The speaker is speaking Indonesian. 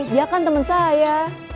dia kan temen saya